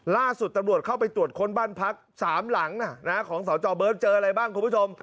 ล่าสุดตำรวจเข้าไปตรวจค้นบ้านพัก๓หลังของสจเบิร์ตเจออะไรบ้างคุณผู้ชม